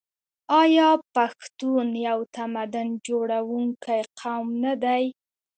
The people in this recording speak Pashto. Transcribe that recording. آیا پښتون یو تمدن جوړونکی قوم نه دی؟